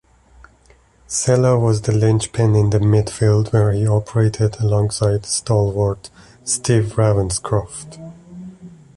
Sella was the linchpin in the midfield where he operated alongside stalwart Steve Ravenscroft.